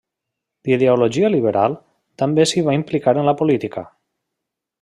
D'ideologia liberal, també s'hi va implicar en la política.